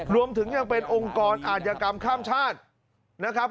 รวมถึงยังเป็นองค์กรอาธิกรรมข้ามชาตินะครับ